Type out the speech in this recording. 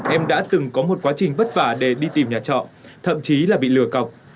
em đã từng có một quá trình vất vả để đi tìm nhà trọ thậm chí là bị lừa cọc